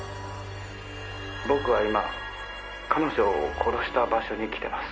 「僕は今彼女を殺した場所に来ています」